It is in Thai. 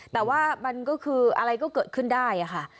แต่ว่ามันก็คืออะไรก็เกิดขึ้นได้ค่ะ